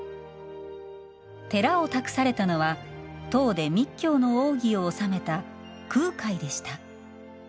寺を託されたのは、唐で密教の奥義を修めた空海でした。